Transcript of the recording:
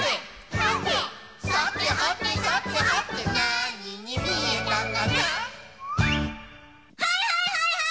はいはいはいはいはい！